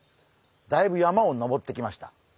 だいぶ山を登ってきました。